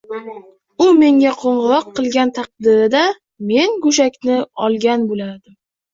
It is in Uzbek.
U menga qoʻngʻiroq qilgan taqdirda men goʻshakni olgan boʻlardim